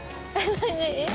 何？